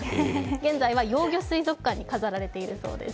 現在は幼魚水族館に飾られているそうです。